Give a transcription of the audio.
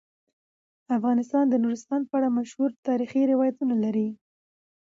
افغانستان د نورستان په اړه مشهور تاریخی روایتونه لري.